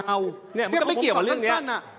เหมือนกับผมตอบทั้งสั้น